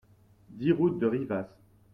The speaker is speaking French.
dix route de Rivas